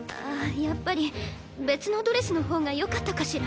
やっぱり別のドレスの方がよかったかしら。